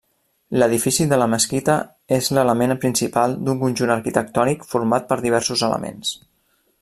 L'edifici de la mesquita és l'element principal d'un conjunt arquitectònic format per diversos elements.